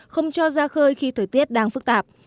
không cho ra khơi khi thời tiết đang phức tạp